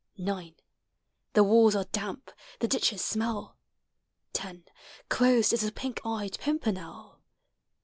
9 The walls are damp, the ditches smell, 10 Closed is the pink eyed pimpernel.